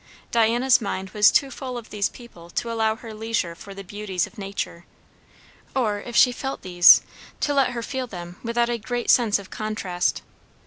Diana's mind was too full of these people to allow her leisure for the beauties of nature; or if she felt these, to let her feel them without a great sense of contrast.